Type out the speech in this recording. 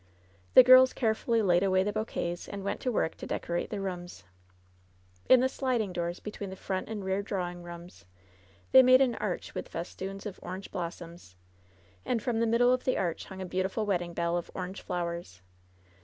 The girls carefully laid away the bouquets, and went to work to decorate the rooms. In the sliding doors between the front and rear draw ing rooms they made an arch with festoons of orange blossoms, and from the middle of the arch hung a beau tiful wedding bell of orange flowers.